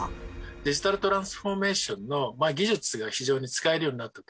デジタルトランスフォーメーションの技術が非常に使えるようになったと。